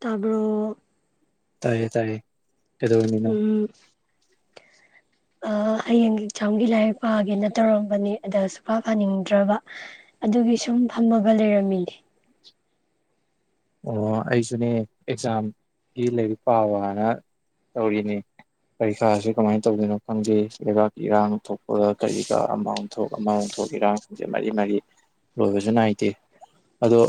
ꯇꯥꯕꯔꯣ ꯇꯥꯏꯌꯦ ꯇꯥꯏꯌꯦ ꯀꯩꯗꯧꯔꯝꯃꯤꯅꯣ ꯎꯝ ꯍꯌꯦꯡ ꯑꯦꯛꯖꯥꯝꯒꯤ ꯂꯥꯏꯔꯤꯛ ꯄꯥꯒꯦꯅ ꯇꯧꯔꯝꯕꯅꯦ ꯑꯗ ꯁꯨꯛ ꯄꯥ ꯄꯥꯥꯅꯤꯡꯗ꯭ꯔꯕ ꯑꯗꯨꯒꯤ ꯁꯨꯝ ꯐꯝꯃꯒ ꯂꯩꯔꯝꯃꯤꯅꯦ ꯑꯣ ꯑꯩꯁꯨꯅꯦ ꯑꯦꯛꯖꯥꯝꯒꯤ ꯂꯥꯏꯔꯤꯛ ꯄꯥꯕ ꯍꯥꯏꯅ ꯇꯧꯔꯤꯅꯤ ꯄꯔꯤꯈꯥꯁꯦ ꯀꯃꯥꯏꯅ ꯇꯧꯗꯣꯏꯅꯣ ꯈꯪꯗꯦ ꯂꯩꯕꯥꯛꯀꯤ ꯏꯔꯥꯡ ꯊꯣꯛꯄ ꯀꯔꯤꯒ ꯑꯃ ꯑꯣꯟꯊꯣꯛ ꯑꯃ ꯑꯣꯟꯊꯣꯛ ꯏꯔꯥꯡ ꯈꯪꯗꯦ ꯃꯔꯤ ꯃꯔꯤ ꯂꯣꯏꯕꯁꯨ ꯅꯥꯏꯗꯦ ꯑꯗꯣ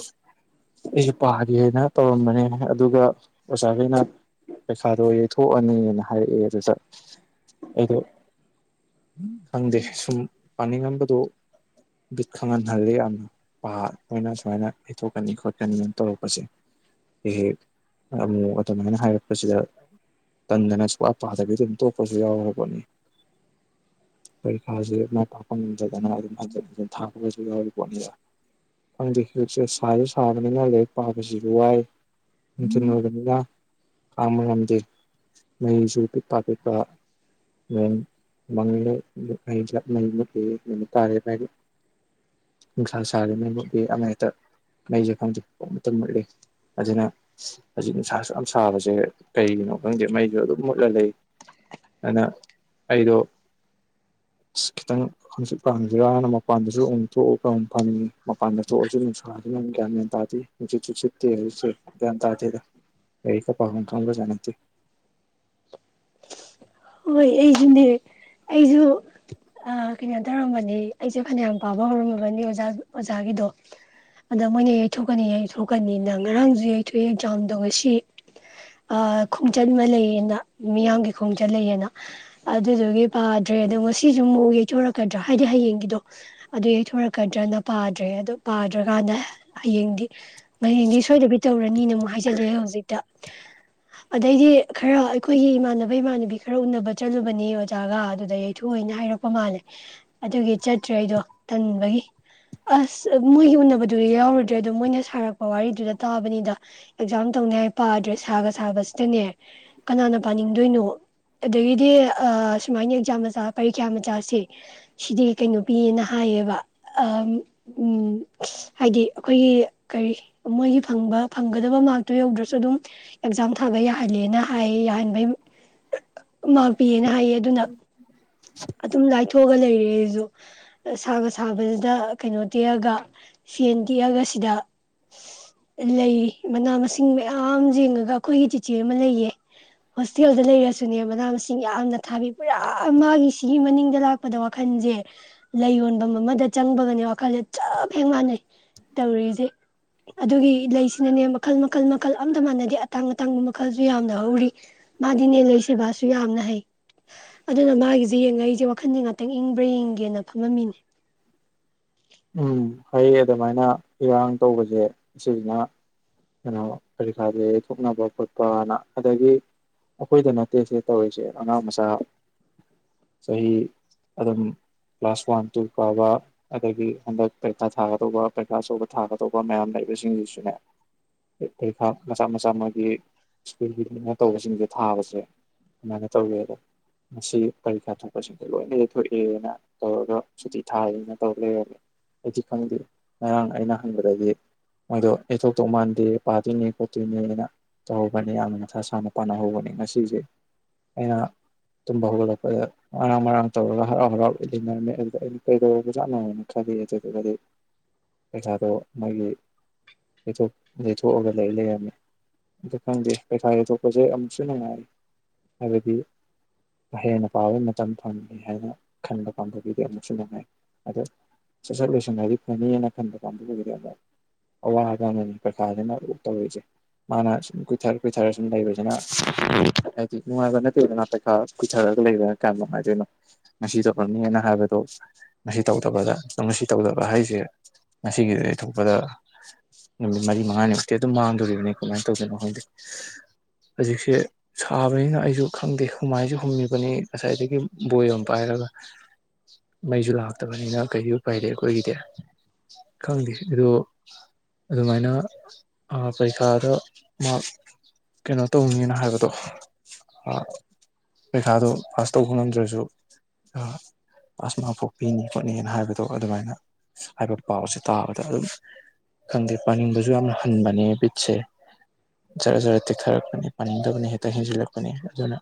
ꯑꯩꯁꯨ ꯄꯥꯒ ꯍꯥꯏꯅ ꯇꯧꯔꯝꯕꯅꯦ ꯑꯗꯨꯒ ꯑꯣꯖꯥꯈꯅ ꯄꯩꯈꯥꯗꯣ ꯌꯩꯊꯣꯛꯑꯅꯤꯅ ꯍꯥꯏꯔꯛꯑꯦ ꯑꯣꯖꯥ ꯑꯩꯗꯣ ꯈꯪꯗꯦ ꯁꯨꯝ ꯄꯥꯅꯤꯡꯉꯝꯕꯗꯣ ꯠ ꯈꯪꯍꯟꯍꯜꯂꯦ ꯌꯥꯝꯅ ꯄꯥꯣꯏꯅ ꯁꯨꯃꯥꯏꯅ ꯌꯩꯊꯣꯛꯀꯅꯤ ꯈꯣꯠꯀꯅꯤꯅ ꯇꯧꯔꯛꯄꯁꯦ ꯍꯦꯛ ꯍꯦꯛ ꯑꯃꯨꯛ ꯑꯗꯨꯃꯥꯏꯅ ꯍꯥꯏꯔꯛꯄꯁꯤꯗ ꯇꯟꯗꯅ ꯁ ꯑꯄꯥꯗꯕꯤ ꯑꯗꯨꯝ ꯇꯣꯛꯄꯁꯨ ꯌꯥꯎꯔꯕꯅꯤ ꯄꯔꯤꯈꯥꯁꯦ ꯃꯥꯏ ꯄꯥꯛꯄ ꯉꯝꯗꯗꯅ ꯑꯗꯨꯝ ꯍꯟꯖꯤꯟ ꯍꯟꯖꯤꯟ ꯊꯥꯕꯒꯁꯨ ꯌꯥꯎꯔꯤꯕꯣꯠꯅꯤꯕ ꯈꯪꯗꯦ ꯍꯧꯖꯤꯛꯁꯦ ꯁꯥꯁꯨ ꯁꯥꯕꯅꯤꯅ ꯂꯦꯛ ꯄꯥꯕꯁꯤꯁꯨ ꯋꯥꯏ ꯅꯨꯡꯊꯤꯜ ꯑꯣꯏꯕꯅꯤꯅ ꯈꯥꯡꯕ ꯉꯝꯗꯦ ꯃꯩꯁꯨ ꯄꯤꯛꯄ ꯄꯤꯛꯄ ꯅꯣꯡ ꯃꯥꯡꯉꯤꯦꯩ ꯃꯩ ꯃꯨꯠꯂꯤ ꯅꯨꯃꯤꯠ ꯇꯥꯔꯦꯔꯤ ꯅꯨꯡꯁꯥ ꯁꯥꯔꯦ ꯃꯩ ꯃꯨꯠꯂꯤ ꯑꯃ ꯍꯦꯛꯇ ꯃꯩꯁꯦ ꯈꯪꯗꯦ ꯇ ꯃꯨꯠꯂꯤ ꯑꯗꯨꯅ ꯍꯧꯖꯤꯛ ꯅꯨꯡꯁꯥꯁꯨ ꯌꯥꯝ ꯁꯥꯕꯁꯦ ꯀꯩꯒꯤꯅꯣ ꯈꯪꯗꯦ ꯃꯩꯁꯨ ꯑꯗꯨꯝ ꯃꯨꯠꯂ ꯂꯩ ꯑꯗꯨꯅ ꯑꯩꯗꯣ ꯑꯁ ꯈꯤꯇꯪ ꯍꯪꯆꯠꯄ ꯍꯪꯖꯤꯔꯅ ꯃꯄꯥꯟꯗꯁꯨ ꯑꯃꯨꯛ ꯊꯣꯛꯑꯒ ꯑꯃꯨꯛ ꯐꯪꯉꯤ ꯃꯄꯥꯟꯗ ꯊꯣꯛꯑꯁꯨ ꯅꯨꯡꯁꯥꯁꯤꯅ ꯑꯃꯨꯛ ꯒ꯭ꯌꯥꯟ ꯃ꯭ꯌꯥ ꯇꯥꯦ ꯆ ꯆꯤ ꯎꯆꯦ ꯌꯥꯝ ꯇꯗꯗ ꯑꯩ ꯀ ꯄꯪ ꯀ ꯑꯃꯗꯤꯦ ꯍꯣꯏ ꯑꯩꯁꯨꯅꯦ ꯑꯩꯁꯨ ꯀꯩꯅꯣ ꯇꯧꯔꯝꯕꯅꯤ ꯑꯩꯁꯦ ꯐꯅꯌꯥꯝ ꯄꯥꯕ ꯍꯧꯔꯝꯃꯕꯅꯤ ꯑꯣꯖꯥ ꯑꯣꯖꯥꯒꯤꯗꯣ ꯑꯗ ꯃꯣꯏꯅ ꯌꯩꯊꯣꯛꯀꯅꯤ ꯌꯩꯊꯣꯛꯀꯅꯤ ꯅꯪ ꯉꯔꯥꯡꯁꯨ ꯌꯩꯊꯣꯛꯑꯦ ꯑꯦꯛꯖꯥꯝꯗꯣ ꯉꯁꯤ ꯈꯣꯡꯆꯠ ꯑꯃ ꯂꯩꯌꯦꯅ ꯃꯤꯌꯥꯝꯒꯤ ꯈꯣꯡꯆꯠ ꯂꯩꯌꯦꯅ ꯑꯗꯨꯗꯨꯒꯤ ꯄꯥꯗ꯭ꯔꯦ ꯑꯗꯣ ꯉꯁꯤꯁꯨ ꯑꯃꯨꯛ ꯌꯩꯊꯣꯔꯛꯀꯗ꯭ꯔꯣ ꯍꯥꯏꯗꯤ ꯍꯌꯦꯡꯒꯤꯗꯣ ꯑꯗꯨ ꯌꯩꯊꯣꯔꯛꯀꯗ꯭ꯔꯅ ꯄꯥꯗ꯭ꯔꯦ ꯑꯗꯨ ꯄꯥꯗ꯭ꯔꯀꯥꯟꯗ ꯍꯌꯦꯡꯗꯤ ꯍꯌꯦꯡꯗꯤ ꯁꯣꯏꯗꯕꯤ ꯇꯧꯔ ꯃꯤꯅ ꯑꯃꯨꯛ ꯍꯥꯏꯖꯜꯂꯛꯑꯦ ꯍꯧꯖꯤꯛꯇ ꯑꯗꯩꯗꯤ ꯈꯔ ꯑꯩꯈꯣꯏꯒꯤ ꯏꯃꯥꯟꯅꯕ ꯏꯃꯥꯟꯅꯕꯤ ꯈꯔ ꯎꯅꯕ ꯆꯠꯂꯨꯕꯅꯦ ꯑꯣꯖꯥꯒ ꯑꯗꯨꯗ ꯌꯩꯊꯨꯅ ꯍꯥꯏꯔꯛꯄ ꯃꯥꯜꯂꯦ ꯑꯗꯨꯒꯤ ꯆꯠꯇ꯭ꯔꯦ ꯑꯩꯗꯣ ꯇꯟꯕꯒꯤ ꯑꯁ ꯃꯣꯏꯒꯤ ꯎꯅꯕꯗꯨꯗꯤ ꯌꯥꯎꯔꯨꯗ꯭ꯔꯦ ꯑꯗꯣ ꯃꯣꯏꯅ ꯁꯥꯔꯛꯄ ꯋꯥꯔꯤꯗꯨꯗ ꯇꯥꯕꯅꯤꯗ ꯑꯦꯛꯖꯥꯝ ꯇꯧꯅꯤꯉꯥꯏ ꯄꯥꯗ꯭ꯔꯦ ꯁꯥꯒ ꯁꯥꯕꯁꯤꯗꯅꯦ ꯀꯅꯥꯅ ꯄꯥꯅꯤꯡꯗꯣꯏꯅꯣ ꯑꯗꯒꯤꯗꯤ ꯁꯨꯃꯥꯏꯅ ꯑꯦꯛꯖꯥꯝ ꯃꯆꯥ ꯄꯔꯤꯈ꯭ꯌꯥ ꯃꯆꯥꯁꯦ ꯁꯤꯗꯤ ꯀꯩꯅꯣ ꯄꯤꯌꯦꯅ ꯍꯥꯏꯌꯦꯕ ꯍꯥꯏꯗꯤ ꯑꯩꯈꯣꯏꯒꯤ ꯀꯔꯤ ꯃꯣꯏꯒꯤ ꯐꯪꯕ ꯐꯪꯒꯗꯕ ꯃꯥꯔꯛꯇꯣ ꯌꯧꯗ꯭ꯔꯁꯨ ꯑꯗꯨꯝ ꯑꯦꯛꯖꯥꯝ ꯊꯥꯕ ꯌꯥꯍꯜꯂꯦꯅ ꯍꯥꯏ ꯌꯥꯍꯟꯕꯩ ꯃꯥꯛ ꯄꯤꯌꯦꯅ ꯍꯥꯏꯌꯦ ꯑꯗꯨꯅ ꯎꯝ ꯑꯗꯨꯝ ꯂꯥꯏꯊꯣꯛꯑꯒ ꯂꯩꯔꯦ ꯑꯩꯁꯨ ꯁꯥꯒ ꯁꯥꯕꯗ ꯀꯩꯅꯣ ꯇꯦꯛꯑꯒ ꯁꯦꯟ ꯇꯦꯛꯑꯒ ꯁꯤꯗ ꯂꯩꯔꯤ ꯃꯅꯥ ꯃꯁꯤꯡ ꯃꯌꯥꯝ ꯌꯦꯡꯉꯒ ꯑꯩꯈꯣꯏꯒꯤ ꯇꯤꯆꯦ ꯑꯃ ꯂꯩꯌꯦ ꯍꯣꯁꯇꯦꯜꯗ ꯂꯩꯔꯁꯨꯅꯦ ꯃꯅꯥ ꯃꯁꯤꯡ ꯌꯥꯝꯅ ꯊꯥꯕꯤ ꯄꯨꯔꯥ ꯃꯥꯒꯤ ꯁꯤꯒꯤ ꯃꯅꯤꯡꯗ ꯂꯥꯛꯄꯗ ꯋꯥꯈꯜꯁꯦ ꯂꯩ ꯌꯣꯟꯐꯝ ꯑꯃꯗ ꯆꯪꯕꯒꯅꯦ ꯋꯥꯈꯜꯁꯦ ꯆ ꯐꯦ ꯃꯥꯟꯅꯩ ꯇꯧꯔꯤꯁꯦ ꯑꯗꯨꯒꯤ ꯂꯩꯁꯤꯅꯅꯦ ꯃꯈꯜ ꯃꯈꯜ ꯃꯈꯜ ꯃꯈꯜ ꯑꯝꯇ ꯃꯥꯟꯅꯗꯦ ꯑꯇꯥꯡ ꯑꯇꯥꯡꯕ ꯃꯈꯜꯁꯨ ꯌꯥꯝꯅ ꯍꯧꯔꯤ ꯃꯥꯗꯤ ꯅꯦ ꯂꯩ ꯁꯦꯕꯥꯁꯨ ꯌꯥꯝꯅ ꯍꯩ ꯑꯗꯨꯅ ꯃꯥꯒꯤ ꯑ ꯌꯦꯡꯉꯛ ꯑꯩꯁꯦ ꯋꯥꯈꯟꯁꯦ ꯉꯥꯛꯇꯪ ꯏꯪꯕ꯭ꯔꯥ ꯌꯦꯡꯒꯦꯅ ꯐꯝꯃꯝꯃꯤꯅꯦ ꯎꯝ ꯍꯌꯦ ꯑꯗꯨꯃꯥꯏꯅ ꯏꯔꯥꯡ ꯇꯧꯕꯁꯦ ꯁꯤꯁꯤꯅ ꯀꯩꯅꯣ ꯄꯔꯤꯈꯥꯁꯦ ꯌꯩꯊꯣꯛꯅꯕ ꯈꯣꯠꯄꯅ ꯑꯗꯒꯤ ꯑꯩꯈꯣꯏꯗ ꯅꯠꯇꯦ ꯁꯤꯦ ꯇꯧꯔꯤꯁꯦ ꯑꯉꯥꯡ ꯃꯆꯥ ꯆꯍꯤ ꯑꯗꯨꯝ ꯀ꯭ꯂꯥꯁ ꯋꯥꯟ ꯇꯨ ꯀꯥꯕ ꯑꯗꯒꯤ ꯍꯟꯗꯛ ꯄꯔꯤꯈꯥ ꯊꯥꯒꯗꯧꯕ ꯄꯔꯤꯈꯥ ꯑꯆꯧꯕ ꯊꯥꯒꯗꯧꯕ ꯃꯌꯥꯝ ꯂꯩꯕꯁꯤꯡꯁꯤꯁꯨꯅꯦ ꯄꯔꯤꯈꯥ ꯃꯆꯥ ꯃꯆꯥ ꯃꯣꯏꯒꯤ ꯁ꯭ꯀꯨꯜꯒꯤꯅ ꯇꯧꯕꯁꯤꯡꯁꯦ ꯊꯥꯕꯁꯦ ꯑꯗꯨꯃꯥꯏꯅ ꯇꯧꯋꯦꯗ ꯃꯁꯤ ꯄꯔꯤꯈꯥ ꯊꯣꯛꯄꯁꯤꯡꯁꯦ ꯂꯣꯏꯅ ꯊꯣꯛꯑꯦꯅ ꯇꯧꯔꯒ ꯁꯨꯇꯤ ꯊꯥꯌꯦꯅ ꯇꯧꯔ ꯂꯩꯔ ꯑꯩꯗꯤ ꯈꯪꯗꯦ ꯉꯔꯥꯡ ꯑꯩꯅ ꯍꯪꯕꯗꯗꯤ ꯃꯣꯏꯗꯣ ꯌꯦꯊꯣꯛꯇꯧ ꯃꯥꯟꯗꯦ ꯄꯥꯗꯣꯏꯅꯦ ꯈꯣꯠꯇꯣꯏꯅꯦꯅ ꯇꯧꯍꯧꯕꯅꯤ ꯌꯥꯝꯅ ꯃꯁꯥ ꯁꯥꯅ ꯄꯥꯅꯍꯧꯕꯅꯦ ꯉꯁꯤꯁꯦ ꯑꯩꯅ ꯇꯨꯝꯕ ꯍꯧꯒꯠꯂꯛꯄꯗ ꯉꯥꯡ ꯃꯔꯥꯡ ꯇꯧꯔꯒ ꯍꯔꯥꯎ ꯍꯔꯥꯎ ꯏꯠꯟꯅꯔꯝꯃꯦ ꯑꯗꯨꯗ ꯑꯩꯅ ꯀꯩꯗꯖꯥꯅꯣ ꯈ ꯈꯜꯂꯤ ꯑꯗꯨꯗꯨꯒꯗꯤ ꯄꯩꯁꯥꯗꯣ ꯃꯥꯒꯤ ꯌꯩꯊꯣꯛꯑꯒ ꯂꯩ ꯂꯩꯔꯝꯃꯤ ꯑꯗꯨ ꯈꯪꯗꯦ ꯄꯩꯁꯥ ꯌꯩꯊꯣꯛꯄꯁꯦ ꯑꯃꯨꯛꯁꯨ ꯅꯨꯡꯉꯥꯏ ꯍꯥꯏꯕꯗꯤ ꯍꯦꯟꯅ ꯄꯥꯕꯩ ꯃꯇꯝ ꯐꯪꯃꯤ ꯍꯥꯏꯅ ꯈꯟꯕ ꯄꯥꯝꯕꯒꯤꯗꯤ ꯑꯃꯨꯛꯁꯨ ꯅꯨꯡꯉꯥꯏ ꯑꯗꯣ ꯆꯠ ꯁꯠ ꯂꯣꯏꯁꯟ ꯍꯥꯏꯗꯤ ꯐꯅꯤꯅ ꯈꯟꯕ ꯀꯥꯡꯕꯨꯗꯨꯒꯤꯗꯤ ꯑ ꯑꯋꯥꯕ ꯑꯃꯅꯤ ꯄꯔꯤꯈꯥꯁꯤꯅ ꯑꯣꯛ ꯇꯧꯔꯛꯏꯁꯦ ꯃꯥꯅ ꯁꯨꯝ ꯀꯨꯏꯊꯔ ꯀꯨꯏꯊꯔ ꯁꯨꯝ ꯂꯩꯕꯁꯦ ꯑꯗꯨꯩꯅ ꯅꯨꯡꯉꯥꯏꯕ ꯅꯠꯇꯦꯗꯅ ꯄꯩꯈꯥ ꯀꯨꯏꯊꯔꯒ ꯂꯩꯔ ꯀꯥꯏ ꯅꯨꯡꯉꯥꯏꯗꯣꯏꯅꯣ ꯉꯁꯤ ꯇꯧꯔꯝꯅꯤꯅ ꯍꯥꯏꯕꯗꯣ ꯉꯁꯤ ꯇꯧꯗꯕꯗ ꯑꯗꯣ ꯉꯁꯤ ꯇꯧꯗꯕ ꯍꯥꯏꯁꯦ ꯉꯁꯤꯒꯤ ꯂꯩꯊꯣꯛꯄꯗ ꯅꯨꯃꯤꯠ ꯃꯔꯤ ꯃꯉꯥꯅꯤꯃꯨꯛꯇꯤ ꯑꯗꯨꯝ ꯃꯥꯡꯗꯣꯔꯤꯕꯅꯤ ꯀꯃꯥꯏꯅ ꯇꯧꯗꯣꯏꯅꯣ ꯈꯪꯗꯦ ꯍꯧꯖꯤꯛꯁꯦ ꯁꯥꯕꯅꯤꯅ ꯑꯩꯁꯨ ꯈꯪꯗꯦ ꯍꯨꯃꯥꯏꯁꯨ ꯍꯨꯝꯃꯤꯕꯅꯤ ꯉꯁꯥꯏꯗꯒꯤ ꯕꯣꯏ ꯑꯃ ꯄꯥꯏꯔꯒ ꯃꯩꯁꯨ ꯂꯥꯛꯇꯕꯅꯤꯅ ꯀꯩ ꯄꯩꯔꯦ ꯑꯩꯈꯣꯏꯒꯤꯗꯤ ꯈꯪꯗꯦ ꯑꯗꯣ ꯑꯗꯨꯃꯥꯏꯅ ꯄꯔꯤꯈꯥꯗ ꯃꯥꯔꯛ ꯀꯩꯅꯣ ꯇꯧꯅꯤꯅ ꯍꯥꯏꯕꯗꯣ ꯄꯔꯤꯈꯥꯗꯣ ꯄꯥꯁ ꯇꯧꯕ ꯉꯝꯗ꯭ꯔꯁꯨ ꯄꯥꯁ ꯃꯥꯔꯛ ꯄꯣꯛ ꯄꯤꯅꯤ ꯈꯣꯠꯅꯤꯅ ꯍꯥꯏꯕꯗꯣ ꯑꯗꯨꯃꯥꯏꯅ ꯍꯥꯏꯕ ꯄꯥꯎꯁꯦ ꯇꯥꯕꯗ ꯑꯗꯨꯝ ꯈꯪꯗꯦ ꯄꯥꯅꯤꯡꯕꯁꯨ ꯌꯥꯝꯅ ꯍꯟꯕꯅꯦ ꯕꯤꯠꯁꯦ ꯖꯔ ꯖꯔꯠ ꯇꯦꯛꯊꯔꯛꯄꯅꯤ ꯄꯥꯅꯤꯡꯗꯕꯅꯤ ꯍꯦꯛꯇ ꯍꯦꯟꯖꯤꯜꯂꯛꯄꯅꯤ ꯑꯗꯨꯅ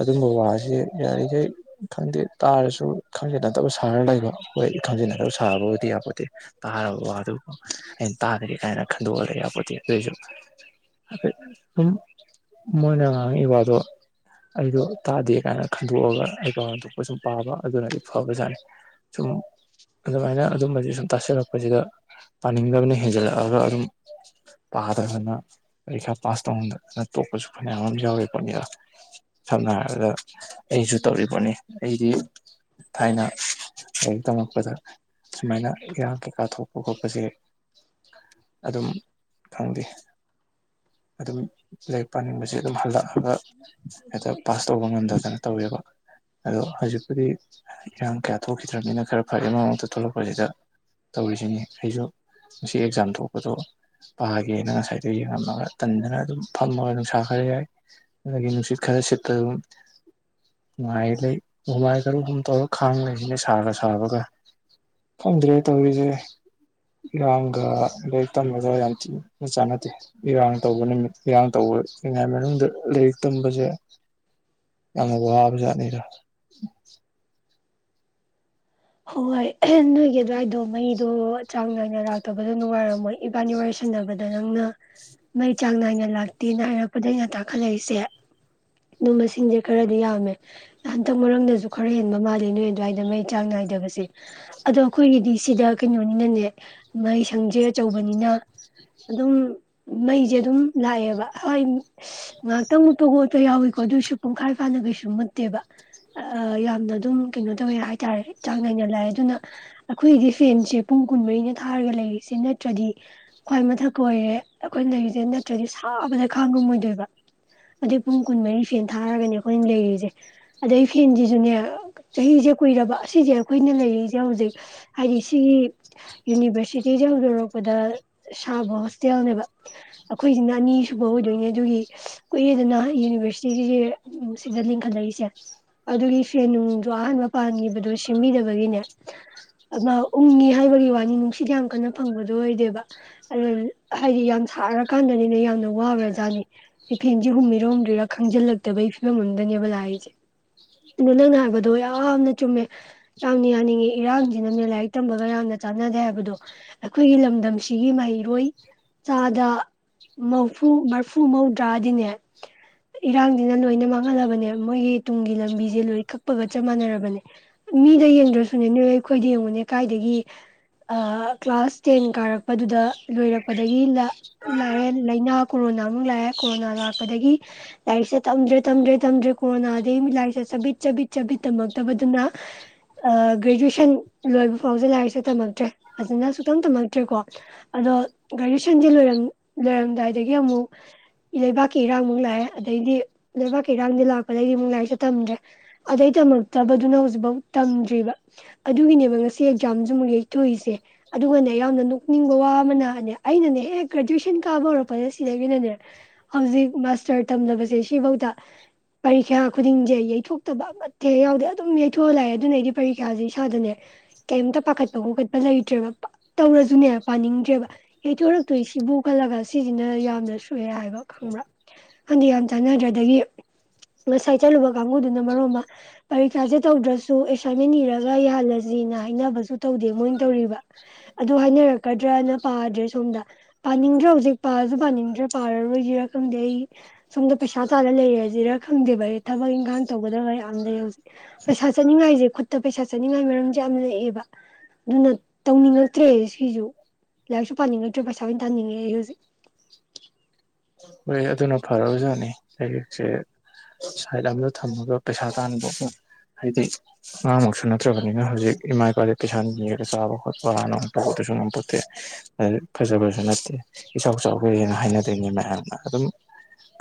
ꯑꯗꯨꯝꯕ ꯋꯥꯁꯦ ꯌꯥꯔꯤꯈꯩ ꯈꯪꯗꯦ ꯇꯥꯔꯁꯨ ꯈꯪꯖ ꯅꯠꯇꯕ ꯁꯍꯔ ꯂꯩꯕ ꯍꯣꯏ ꯊꯝꯖꯤꯟꯅꯗꯕ ꯁꯥꯕꯕꯨꯗꯤ ꯌꯥꯄꯣꯠꯇꯦ ꯇꯥꯔꯕ ꯋꯥꯗꯨꯕꯨ ꯑꯩꯅ ꯇꯥꯗꯦ ꯀꯥꯏꯅ ꯈꯟꯗꯣꯛꯑꯗꯤ ꯌꯥꯄꯣꯠꯇꯦ ꯑꯗꯨꯑꯣꯏꯁꯨ ꯁꯨꯝ ꯃꯣꯏꯅ ꯉꯥꯡꯉꯛꯏꯕ ꯋꯥꯗꯣ ꯑꯩꯗꯣ ꯇꯥꯗꯦ ꯀꯥꯏꯅ ꯈꯟꯗꯣꯛꯑꯒ ꯑꯩꯒ ꯍꯟꯗꯣꯛꯄ ꯁꯨꯝ ꯄꯥꯕ ꯑꯗꯨꯅꯗꯤ ꯐꯕꯖꯥꯠꯅꯤ ꯁꯨꯝ ꯑꯗꯨꯃꯥꯏꯅ ꯑꯗꯨꯝꯕꯁ ꯁꯨꯝ ꯇꯥꯁꯜꯂꯛꯄꯁꯤꯗ ꯄꯥꯅꯤꯡꯗꯕꯅ ꯍꯦꯟꯖꯜꯂꯛꯑꯒ ꯑꯗꯨꯝ ꯄꯥꯗꯕꯅ ꯄꯔꯤꯈꯥ ꯄꯥꯁ ꯇꯧꯅꯤꯡꯗꯗꯅ ꯇꯣꯛꯄꯁꯨ ꯐꯅꯌꯥꯝ ꯑꯃ ꯌꯥꯎ ꯄꯣꯠꯅꯤꯗ ꯁꯝꯅ ꯍꯥꯏꯔꯕꯗ ꯑꯩꯁꯨ ꯇꯧꯔꯤꯕꯣꯠꯅꯤ ꯑꯩꯗꯤ ꯊꯥꯏꯅ ꯂꯥꯏꯔꯤꯛ ꯇꯝꯃꯛꯛꯄꯗ ꯁꯨꯃꯥꯏꯅ ꯏꯔꯥꯡ ꯀꯩꯀꯥ ꯊꯣꯛꯄ ꯈꯣꯠꯄꯁꯦ ꯑꯗꯨꯝ ꯈꯪꯗꯦ ꯑꯗꯨꯝ ꯂꯥꯏꯔꯤꯛ ꯄꯥꯅꯤꯡꯕꯁꯦ ꯑꯗꯨꯝ ꯍꯜꯂꯛꯑꯒ ꯍꯦꯛꯇ ꯄꯥꯁ ꯇꯧꯕ ꯉꯝꯗꯗꯅ ꯇꯧꯋꯦꯕ ꯑꯗꯣ ꯍꯧꯖꯤꯛꯄꯨꯗꯤ ꯏꯔꯥꯡ ꯀꯌꯥ ꯑ ꯊꯣꯛꯈꯤꯗ꯭ꯔꯕꯅꯤꯅ ꯈꯔ ꯐꯌꯦꯦ ꯃꯃꯛꯇ ꯊꯣꯛꯂꯛꯄꯁꯤꯗ ꯇꯧꯔꯤꯁꯤꯅꯤ ꯑꯩꯁꯨ ꯉꯁꯤ ꯑꯦꯛꯖꯥꯝ ꯊꯣꯛꯄꯗꯣ ꯄꯥꯒꯦꯅ ꯉꯁꯥꯏꯗ ꯌꯦꯡꯉꯝꯃꯒ ꯇꯟꯗꯅ ꯑꯗꯨꯝ ꯐꯝꯃꯒ ꯅꯨꯡꯁꯥ ꯈꯔ ꯌꯥꯏ ꯑꯗꯒꯤ ꯅꯨꯡꯁꯤꯠ ꯈꯔ ꯁꯤꯠꯄ ꯑꯗꯨꯝ ꯅꯨꯡꯉꯥꯏ ꯂꯩ ꯍꯨꯃꯥꯏ ꯈꯔꯨꯝ ꯇꯧꯔ ꯈꯥꯡ ꯂꯩ ꯑꯩꯅ ꯁꯥꯒ ꯁꯥꯕꯒ ꯐꯪꯗ꯭ꯔꯦ ꯇꯧꯔꯤꯁꯦ ꯏꯔꯥꯡꯒ ꯂꯥꯏꯔꯤꯛ ꯇꯝꯕꯗ ꯌꯥꯝ ꯊꯤꯅ ꯆꯥꯟꯅꯗꯦ ꯏꯔꯥꯡ ꯇꯧꯕ ꯅꯨꯃꯤꯠ ꯏꯔꯥꯡ ꯇꯧꯕꯉꯥꯏ ꯃꯅꯨꯡꯗ ꯂꯥꯏꯔꯤꯛ ꯇꯝꯕꯁꯦ ꯌꯥꯝꯅ ꯋꯥꯕꯖꯥꯠꯅꯤꯗꯣ ꯍꯣꯏ ꯅꯣꯏꯒꯤ ꯑꯗꯨꯋꯥꯏꯗꯣ ꯃꯩꯗꯣ ꯆꯥꯡ ꯅꯥꯏꯅ ꯂꯥꯛꯇꯕꯗꯣ ꯅꯨꯡꯉꯥꯏꯔꯝꯃꯣꯏ ꯏꯕꯥꯅꯤ ꯋꯥꯏ ꯁꯟꯅꯅꯕꯗ ꯅꯪꯅ ꯃꯩ ꯆꯥꯡ ꯅꯥꯏꯅ ꯂꯥꯛꯇꯦꯅ ꯍꯥꯏꯔꯛꯄꯗ ꯑꯩꯅ ꯇꯥꯈꯠꯂꯛꯏꯁꯦ ꯑꯗꯨꯝꯕ ꯃꯁꯤꯡꯁꯦ ꯈꯔꯗꯤ ꯌꯥꯝꯃꯦ ꯍꯟꯇꯛ ꯃꯔꯝꯗꯁꯨ ꯈꯔ ꯍꯦꯟꯕ ꯃꯥꯜꯜꯂꯤ ꯅꯣꯏ ꯑꯗꯨꯋꯥꯏꯗ ꯃꯩ ꯆꯥꯡ ꯅꯥꯏ ꯕꯁꯦ ꯑꯗꯣ ꯑꯩꯈꯣꯏꯒꯤꯗꯤ ꯁꯤꯗ ꯀꯩꯅꯣꯅꯤꯅꯅꯦ ꯃꯩ ꯁꯪꯁꯦ ꯑꯆꯧꯕꯅꯤꯅ ꯑꯗꯨꯝ ꯃꯩꯁꯦ ꯑꯗꯨꯝ ꯂꯥꯛꯑꯦꯕ ꯍꯣꯏ ꯉꯥꯏꯍꯥꯛꯇꯪ ꯃꯨꯠꯄ ꯈꯣꯠꯄ ꯌꯥꯎꯋꯀꯣ ꯑꯗꯨꯏꯁꯨ ꯄꯨꯡꯈꯥꯏꯔ ꯐꯥꯅ ꯀꯩꯁꯨ ꯃꯨꯠꯇꯦꯕ ꯌꯥꯝꯅ ꯑꯗꯨꯝ ꯀꯩꯅꯣ ꯇꯧꯋꯦ ꯍꯥꯏꯇꯥꯔꯦ ꯆꯥꯡ ꯅꯥꯏꯅ ꯂꯥꯛꯑꯦ ꯑꯗꯨꯅ ꯑꯩꯈꯣꯏꯒꯤꯗꯤ ꯐꯦꯟꯁꯦ ꯄꯨꯡ ꯀꯨꯟꯃꯔꯤꯅ ꯊꯥꯔꯒ ꯂꯩꯔꯤꯁꯦ ꯅꯠꯇ꯭ꯔꯗꯤ ꯈ꯭ꯋꯥꯏ ꯃꯊꯛ ꯀꯣꯏꯔꯦ ꯑꯩꯈꯣꯏꯅ ꯂꯩꯔꯤꯁꯦ ꯅꯠꯇ꯭ꯔꯗꯤ ꯁꯥꯕꯗ ꯈꯥꯡꯉꯝꯃꯣꯏꯗꯣꯏꯕ ꯑꯗꯨꯩ ꯄꯨꯡ ꯀꯨꯟꯃꯔꯤ ꯐꯦꯟ ꯊꯥꯔꯒꯅꯦ ꯑꯩꯈꯣꯏꯅ ꯂꯩꯔꯤꯁꯦ ꯑꯗꯩ ꯐꯦꯟꯁꯤꯁꯨꯅꯦ ꯆꯍꯤꯁꯦ ꯀꯨꯏꯔꯕ ꯁꯤꯁꯦ ꯑꯩꯈꯣꯏꯅ ꯂꯩꯔꯤꯁꯦ ꯍꯧꯖꯤꯛ ꯍꯥꯏꯗꯤ ꯁꯤꯒꯤ ꯌꯨꯅꯤꯚꯔꯁꯤꯇꯤꯁꯦ ꯍꯧꯗꯣꯔꯛꯄꯗ ꯁꯥꯕ ꯍꯣꯁꯇꯦꯜꯅꯦꯕ ꯑꯩꯈꯣꯏꯁꯤꯅ ꯑꯅꯤꯁꯨꯕ ꯑꯣꯏꯗꯣꯏꯅꯦ ꯑꯗꯨꯒꯤ ꯀꯨꯏꯦꯗꯅ ꯌꯨꯅꯤꯚꯔꯁꯤꯇꯤꯁꯦ ꯁꯤꯗ ꯂꯤꯡꯈꯠꯂꯛꯏꯁꯦ ꯑꯗꯨꯒꯤ ꯐ꯭ꯔꯦꯟ ꯅꯨꯡꯗꯣ ꯑꯍꯥꯟꯕ ꯄꯥꯟꯈꯤꯕꯗꯣ ꯁꯦꯝꯕꯤꯗꯕꯒꯤꯅꯦ ꯎꯪꯉꯤ ꯍꯥꯏꯕꯒꯤ ꯋꯥꯅꯤ ꯅꯨꯡꯁꯤꯠ ꯌꯥꯝ ꯀꯟꯅ ꯐꯪꯕꯗꯣ ꯑꯣꯏꯗꯦꯕ ꯑꯗꯨ ꯍꯥꯏꯗꯤ ꯌꯥꯝ ꯁꯥꯔꯀꯥꯟꯗꯅꯤꯅꯦ ꯌꯥꯝꯅ ꯋꯥꯕ꯭ꯔꯥꯖꯥꯠꯅꯤ ꯁꯤ ꯐꯦꯟꯁꯦ ꯍꯨꯝꯕꯤꯔꯣꯝꯗꯣꯏꯔꯥ ꯈꯪꯖꯤꯜꯂꯛꯇꯕꯒꯤ ꯐꯤꯕꯝ ꯑꯝꯗꯅꯦꯕ ꯂꯥꯛꯔꯤꯁꯦ ꯑꯗꯣ ꯅꯪꯅ ꯍꯥꯏꯕꯗꯣ ꯌꯥꯝꯅ ꯆꯨꯝꯃꯦ ꯌꯥꯝꯅ ꯌꯥꯅꯤꯡꯉꯤ ꯏꯔꯥꯡꯁꯤꯅ ꯂꯥꯏꯔꯤꯛ ꯇꯝꯕꯒ ꯌꯥꯝꯅ ꯆꯥꯟꯅꯗꯦ ꯍꯥꯏꯕꯗꯣ ꯑꯩꯈꯣꯏꯒꯤ ꯂꯝꯗꯝꯁꯤꯒꯤ ꯃꯍꯩꯔꯣꯏ ꯆꯥꯗ ꯃꯔꯐꯨ ꯃꯔꯐꯨ ꯃꯧꯗ꯭ꯔꯥꯗꯤꯅꯦ ꯏꯔꯥꯡꯁꯤꯅ ꯂꯣꯏꯅ ꯃꯥꯡꯍꯜꯂꯕꯅꯦ ꯃꯣꯏꯒꯤ ꯇꯨꯡꯒꯤ ꯂꯝꯕꯤꯁꯦ ꯂꯣꯏ ꯀꯛꯄꯒ ꯆꯞ ꯃꯥꯟꯅꯔꯕꯅꯦ ꯃꯤꯗ ꯌꯦꯡꯗ꯭ꯔꯁꯨꯅꯦ ꯅꯣꯏ ꯑꯩꯈꯣꯏꯗ ꯌꯦꯡꯉꯨꯅꯦ ꯀꯥꯏꯗꯒꯤ ꯀ꯭ꯂꯥꯁ ꯇꯦꯟ ꯀꯥꯔꯛꯄꯗꯨꯗ ꯂꯣꯏꯔꯛꯄꯗꯒꯤ ꯂꯥꯛꯔꯦ ꯂꯥꯏꯅꯥ ꯀꯣꯔꯣꯅꯥꯃꯨꯛ ꯂꯥꯛꯑꯦ ꯀꯣꯔꯣꯅꯥ ꯂꯥꯛꯄꯗꯒꯤ ꯂꯥꯏꯔꯤꯛꯁꯦ ꯇꯝꯗ꯭ꯔꯦ ꯇꯝꯗ꯭ꯔꯦ ꯇꯝꯗ꯭ꯔꯦ ꯀꯣꯔꯣꯅꯥꯗꯒꯤꯩ ꯂꯥꯏꯔꯤꯛꯁꯦ ꯆꯥꯕꯤꯠ ꯆꯕꯤꯠ ꯆꯕꯤꯠ ꯇꯝꯃꯛꯇꯕꯗꯨꯅ ꯒ꯭ꯔꯦꯖꯨꯋꯦꯁꯟ ꯂꯣꯏꯕ ꯐꯥꯎꯁꯦ ꯂꯥꯏꯔꯤꯛꯁꯦ ꯇꯝꯃꯛꯇ꯭ꯔꯦ ꯐꯖꯅ ꯁꯨꯛꯇꯪ ꯇꯝꯃꯛꯇ꯭ꯔꯦꯀꯣ ꯑꯗꯣ ꯒ꯭ꯔꯦꯖꯨꯑꯦꯁꯟꯁꯦ ꯂꯣꯏꯔꯝꯗꯥꯏꯗꯒꯤ ꯑꯃꯨꯛ ꯂꯩꯕꯥꯛꯀꯤ ꯏꯔꯥꯡꯃꯨꯛ ꯂꯥꯛꯑꯦ ꯑꯗꯩꯗꯤ ꯂꯩꯕꯥꯛꯀꯤ ꯏꯔꯥꯡꯗꯤ ꯂꯥꯛꯄꯗꯗꯒꯤꯗꯤ ꯑꯃꯨꯛ ꯂꯥꯏꯔꯤꯛꯁꯦ ꯇꯝꯗ꯭ꯔꯦ ꯑꯗꯩ ꯇꯝꯃꯛꯇꯕꯗꯨꯅ ꯍꯧꯖꯤꯛ ꯐꯧ ꯇꯝꯗ꯭ꯔꯤꯕ ꯑꯗꯨꯒꯤꯅꯦꯕ ꯉꯁꯤ ꯑꯦꯛꯖꯥꯝꯁꯨ ꯑꯃꯨꯛ ꯌꯩꯊꯣꯛꯏꯁꯦ ꯑꯗꯨꯒꯅꯦ ꯌꯥꯝꯅ ꯅꯣꯛꯅꯤꯡꯕ ꯋꯥ ꯑꯃꯅꯅꯦ ꯑꯩꯅꯅꯦ ꯍꯦꯛ ꯒ꯭ꯔꯦꯖꯨꯌꯦꯦꯁꯟ ꯀꯥꯕ ꯍꯧꯔꯛꯄꯗ ꯁꯤꯗꯒꯤꯅꯅꯦ ꯍꯧꯖꯤꯛ ꯃꯥꯁꯇꯔ ꯇꯝꯂꯕꯁꯦ ꯁꯤꯐꯧꯗ ꯄꯔꯤꯈ꯭ꯌꯥ ꯈꯨꯗꯤꯡꯁꯦ ꯌꯩꯊꯣꯛꯇꯕ ꯑꯃꯠꯇꯦꯛ ꯌꯥꯎꯗꯦ ꯑꯗꯨꯝ ꯍꯩꯊꯣꯛꯍꯜꯂꯥꯛꯑꯦ ꯑꯗꯨꯅ ꯑꯩꯗꯤ ꯄꯔꯤꯈ꯭ꯌꯥꯥꯁꯦ ꯏꯁꯥꯗꯅꯦ ꯀꯩꯝꯇ ꯄꯥꯈꯠꯄ ꯈꯣꯀꯠꯄ ꯂꯩꯇ꯭ꯔꯦꯕ ꯇꯧꯔꯁꯨꯅꯦ ꯄꯥꯅꯤꯡꯗ꯭ꯔꯦꯕ ꯍꯩꯊꯣꯔꯛꯇꯣꯏ ꯁꯤꯕꯨ ꯈꯜꯂꯒ ꯁꯤꯁꯤꯅ ꯌꯥꯝꯅ ꯁꯨꯑꯔ ꯍꯥꯏꯕ ꯈꯪꯕ꯭ꯔꯥ ꯈꯟꯗ ꯌꯥꯝ ꯆꯥꯟꯅꯗ꯭ꯔꯦ ꯑꯗꯒꯤ ꯉꯁꯥꯏ ꯆꯠꯂꯨꯕ ꯀꯥꯡꯕꯨꯗꯨꯅ ꯃꯔꯣ ꯑꯃ ꯄꯔꯤꯈ꯭ꯌꯥꯥꯁꯦ ꯇꯧꯗ꯭ꯔꯁꯨ ꯑꯦꯁꯥꯏꯟꯃꯦꯟ ꯅꯤꯔꯒ ꯌꯥꯍꯜꯂꯁꯤꯅ ꯍꯥꯏꯅꯕꯁꯨ ꯇꯧꯗꯦ ꯃꯣꯏꯅ ꯇꯧꯔꯤꯕ ꯑꯗꯨ ꯍꯥꯏꯅꯔꯛꯀꯗ꯭ꯔꯅ ꯄꯥꯗ꯭ꯔꯦ ꯁꯣꯝꯗ ꯄꯥꯅꯤꯡꯗ꯭ꯔ ꯍꯧꯖꯤꯛ ꯄꯥꯁꯨ ꯄꯥꯅꯤꯡꯗ꯭ꯔꯦ ꯄꯥꯔꯔꯣꯏꯁꯤꯔꯥ ꯈꯪꯗꯦ ꯑꯩ ꯁꯣꯝꯗ ꯄꯩꯁꯥ ꯇꯥꯜꯂ ꯂꯩꯔꯦꯁꯤꯔ ꯈꯪꯗꯦꯕ ꯑꯩ ꯊꯕꯛ ꯏꯪꯈꯥꯡ ꯇꯧꯒꯗꯕ ꯌꯥꯝ ꯂꯩ ꯍꯧꯖꯤꯛ ꯄꯩꯁꯥ ꯆꯠꯅꯤꯡꯉꯥꯏꯁꯦ ꯈꯨꯠꯇ ꯄꯩꯁꯥ ꯆꯠꯅꯤꯡꯉꯥꯏ ꯃꯔꯝꯁꯦ ꯌꯥꯝ ꯂꯛꯑꯦꯕ ꯑꯗꯨꯅ ꯇꯧꯅꯤꯡꯉꯛꯇ꯭ꯔꯦ ꯁꯤꯁꯨ ꯂꯥꯏꯔꯤꯛꯁꯨ ꯄꯥꯅꯤꯡꯉꯛꯇ꯭ꯔꯦ ꯄꯩꯁꯥ ꯑꯣꯏꯅ ꯇꯥꯅꯤꯡꯉꯛꯑꯦ ꯑꯩ ꯍꯧꯖꯤꯛ ꯍꯣꯏ ꯑꯗꯨꯅ ꯐꯔꯔꯕꯖꯥꯠꯅꯤ ꯂꯥꯏꯔꯤꯛꯁꯦ ꯁꯥꯏꯠ ꯑꯗ ꯊꯝꯃꯒ ꯄꯩꯁꯥ ꯇꯥꯗ ꯍꯥꯏꯗꯤ ꯑꯉꯥꯡꯃꯛꯁꯨ ꯅꯠꯇ꯭ꯔꯕꯅꯤꯅ ꯍꯧꯖꯤꯛ ꯏꯃꯥ ꯏꯄꯥꯗꯤ ꯄꯩꯁꯥꯅꯤꯔꯒ ꯆꯥꯕ ꯈꯣꯠꯄꯅꯇ ꯄꯣꯠꯇꯁꯨ ꯉꯝꯄꯠꯇꯦ ꯐꯖꯕꯁꯨ ꯅꯠꯇꯦ ꯏꯆꯥꯎ ꯆꯥꯎꯥꯎꯈꯩ ꯍꯥꯏꯅ ꯍꯥꯏꯅꯗꯣꯏꯅꯦ ꯃꯌꯥꯝ ꯑꯗꯨꯝ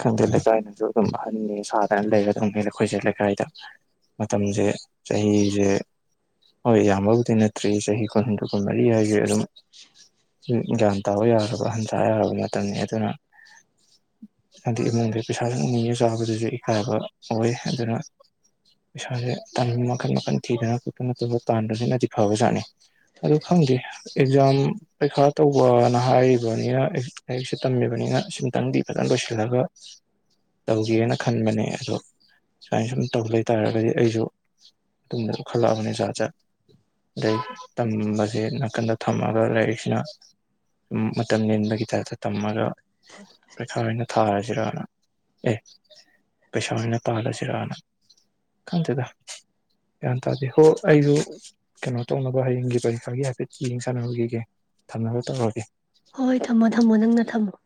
ꯈꯪꯗꯦ ꯂꯩꯀꯥꯏꯅꯁꯨ ꯑꯗꯨꯝ ꯑꯍꯟꯅꯤ ꯁꯥꯗꯅ ꯂꯩꯒꯗꯧꯅꯤ ꯑꯩꯈꯣꯏꯁꯦ ꯂꯩꯀꯥꯏꯗ ꯃꯇꯝꯁꯦ ꯆꯍꯤꯁꯦ ꯍꯣꯏ ꯌꯥꯝꯕꯕꯨꯗꯤ ꯅꯠꯇ꯭ꯔꯤ ꯆꯍꯤ ꯀꯨꯟꯗ ꯀꯨꯟ ꯃꯔꯤ ꯍꯥꯏꯁ ꯑꯗꯨꯝ ꯒ꯭ꯌꯥꯟ ꯇꯥꯕ ꯌꯥꯔꯕ ꯍꯟꯁ ꯌꯥꯔꯕ ꯃꯇꯝꯅꯤ ꯑꯗꯨꯅ ꯍꯥꯏꯗꯤ ꯏꯃꯨꯡꯗ ꯄꯩꯁꯥꯁꯨ ꯎꯅ ꯆꯥꯕꯗꯨꯁꯨ ꯏꯀꯥꯏꯕ ꯑꯣꯏ ꯑꯗꯨꯅ ꯄꯩꯁꯥꯁꯦꯅꯤꯡ ꯃꯈꯜ ꯃꯈꯟ ꯊꯤꯗꯅ ꯈꯣꯠꯇꯅꯠꯇꯗ ꯇꯥꯟꯕꯁꯤꯅꯗꯤ ꯐꯕꯖꯥꯠꯅꯤ ꯑꯗꯨ ꯈꯪꯗꯦ ꯑꯦꯛꯖꯥꯝ ꯄꯩꯈꯥ ꯇꯧꯕꯅ ꯍꯥꯏꯔꯤꯕꯅꯤꯅ ꯂꯥꯏꯔꯤꯛꯁꯦ ꯇꯝꯃꯤꯕꯅꯤꯅ ꯈꯤꯇꯪꯗꯤ ꯐꯖꯅ ꯂꯣꯏꯁꯤꯜꯂꯒ ꯇꯧꯒꯦꯅ ꯈꯟꯕꯅꯦ ꯑꯗꯣ ꯁꯨꯃꯥꯏꯅ ꯁꯨꯝ ꯇꯧ ꯂꯩꯇꯥꯥꯔꯒꯗꯤ ꯑꯩꯁꯨ ꯑꯗꯨꯗꯁꯨ ꯈꯜꯂꯛꯑꯕꯅꯦ ꯑꯣꯖꯥꯖꯥ ꯑꯗꯩ ꯇꯝꯕꯁꯦ ꯅꯥꯀꯟꯗ ꯊꯝꯃꯒ ꯂꯥꯏꯔꯤꯛꯁꯤꯅ ꯁꯨꯝ ꯃꯇꯝ ꯅꯦꯟꯕꯒꯤ ꯇꯥꯏꯞꯇ ꯇꯝꯃꯒ ꯄꯔꯤꯈꯥ ꯑꯣꯏꯅ ꯊꯥꯔꯁꯤꯔꯅ ꯑꯦ ꯄꯩꯁꯥ ꯑꯣꯏꯅ ꯇꯥꯔꯁꯤꯔꯅ ꯈꯟꯗꯦꯗ ꯒ꯭ꯌꯥꯟ ꯇꯥꯗꯦ ꯍꯣ ꯑꯩꯁꯨ ꯀꯩꯅꯣ ꯇꯧꯅꯕ ꯍꯌꯦꯡꯒꯤ ꯄꯔꯤꯈꯥꯒꯤ ꯍꯥꯏꯐꯦꯠ ꯌꯦꯡ ꯁꯥꯟꯅꯕꯒꯤꯒ ꯊꯝꯅꯕ ꯇꯧꯔꯒꯦ ꯍꯣꯏ ꯍꯣꯏ ꯊꯝꯃꯣ ꯊꯝꯃꯣ ꯅꯪꯅ ꯊꯝꯃꯣ